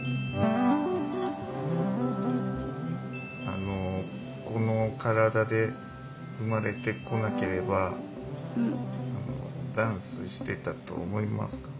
あのこの身体で生まれてこなければダンスしてたと思いますか？